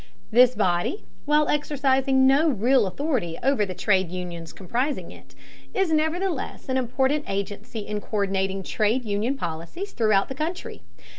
This body, while exercising no real authority over the trade unions comprising it, is nevertheless an important agency in co÷rdinating trade union policies throughout the country.